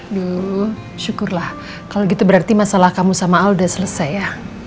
aduh syukurlah kalau gitu berarti masalah kamu sama al udah selesai ya